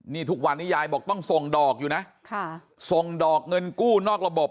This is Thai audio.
นี่ทุกวันนี้ยายบอกต้องส่งดอกอยู่นะค่ะส่งดอกเงินกู้นอกระบบ